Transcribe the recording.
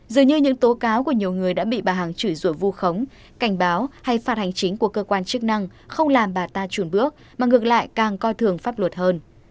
dường như những tố cáo của nhiều người đã bị bà hằng chửi rụi vu khống cảnh báo hay phạt hành chính của cơ quan chức năng không làm bà ta trùn bước mà ngược lại càng coi thường pháp luật hơn